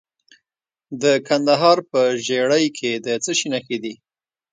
د کندهار په ژیړۍ کې د څه شي نښې دي؟